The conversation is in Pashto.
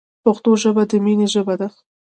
پښتو ژبه د مینې ژبه ده.